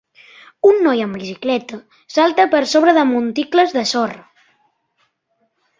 Un noi en bicicleta salta per sobre de monticles de sorra.